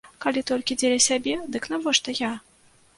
Калі толькі дзеля сябе, дык навошта я?